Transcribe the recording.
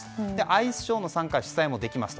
アイスショーの参加や主催もできます。